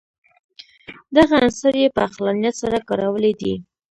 دغه عنصر یې په عقلانیت سره کارولی دی.